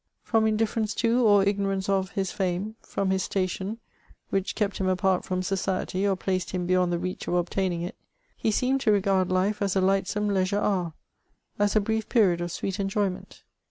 From indifference to, or ignorance of, his fame, from his station, which kept him apart from society, or placed him beyond the reach of obtaining it, he seemed to regard life as a lightsome leisure hour — as a brief period of sweet enjoy ment.